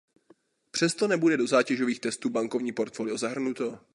Přesto nebude do zátěžových testů bankovní portfolio zahrnuto.